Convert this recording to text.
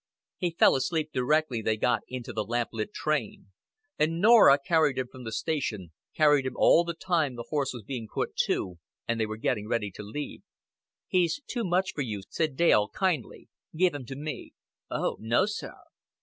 He fell asleep directly they got into the lamplit train; and Norah carried him from the station, carried him all the time the horse was being put to and they were getting ready to leave. "He's too much for you," said Dale kindly. "Give him to me." "Oh, no, sir."